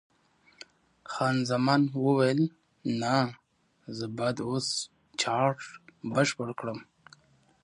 خان زمان وویل: نه، زه باید اوس چارټ بشپړ کړم.